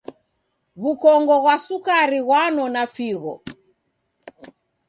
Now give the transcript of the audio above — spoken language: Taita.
W'ukongo ghwa sukari ghwanona figho.